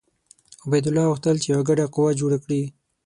عبیدالله غوښتل چې یوه ګډه قوه جوړه کړي.